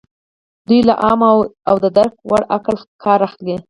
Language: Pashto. دوی له عام او د درک وړ عقل کار اخلي.